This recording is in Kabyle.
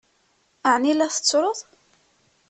Ɛni la tettruḍ?